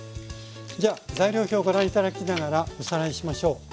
じゃあ材料表ご覧頂きながらおさらいしましょう。